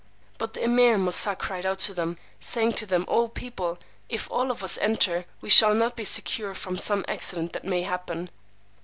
But the Emeer Moosà cried out to them, saying to them, O people, if all of us enter, we shall not be secure from some accident that may happen.